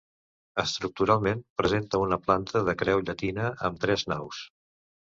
Estructuralment presenta una planta de creu llatina amb tres naus.